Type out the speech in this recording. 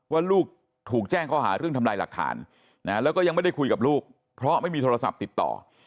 ว่าลูกถูกแจ้งข้อหาเรื่องทำลายหลักฐานแล้วก็ยังไม่ได้คุยกับลูกเพราะไม่มีโทรศัพท์ติดต่อ